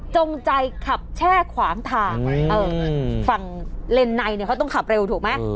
จงใจขับแช่ขวางทางฝั่งเลนในเนี่ยเขาต้องขับเร็วถูกไหม